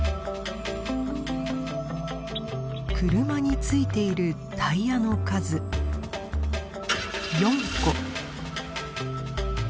車に付いているタイヤの数４個。